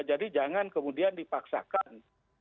jadi jangan kemudian dipaksakan